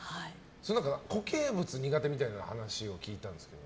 固形物苦手みたいな話を聞いたんですけど。